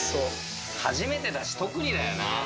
初めてだし、特にだよな。